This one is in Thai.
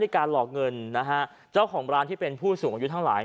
การหลอกเงินนะฮะเจ้าของร้านที่เป็นผู้สูงอายุทั้งหลาย